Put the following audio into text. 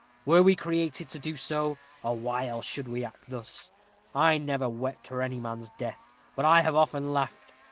We were created to do so; or why else should we act thus? I never wept for any man's death, but I have often laughed.